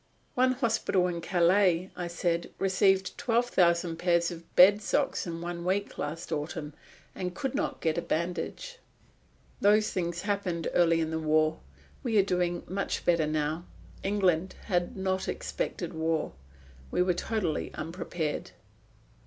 "One hospital in Calais," I said, "received twelve thousand pairs of bed socks in one week last autumn, and could not get a bandage." "Those things happened early in the war. We are doing much better now. England had not expected war. We were totally unprepared."